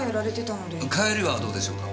帰りはどうでしょうか？